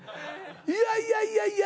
いやいやいやいや。